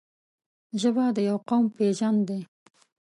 ژبه د یو قوم پېژند دی.